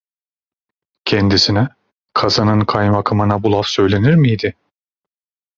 Kendisine, kazanın kaymakamına bu laf söylenir miydi?